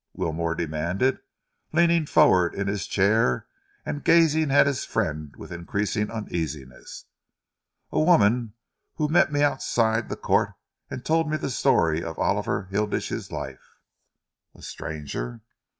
Wilmore demanded, leaning forward in his chair and gazing at his friend with increasing uneasiness. "A woman who met me outside the Court and told me the story of Oliver Hilditch's life." "A stranger?"